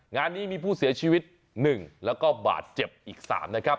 งานนี้มีผู้เสียชีวิต๑แล้วก็บาดเจ็บอีก๓นะครับ